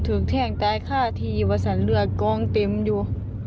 ถึงเที่ยงใต้ฆ่าทีวัดสันเลือดกลงติมอยู่